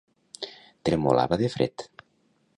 Tremolava de fred